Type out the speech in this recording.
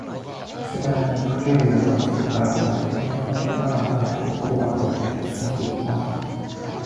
足早に、駆けるようにバス停から離れ、見慣れた場所からも離れ、どこか遠くへと進んでいったんだ